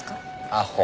アホ！